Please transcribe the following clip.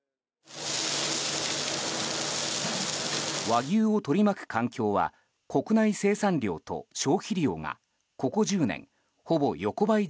和牛を取り巻く環境は国内生産量と消費量がここ１０年、ほぼ横ばい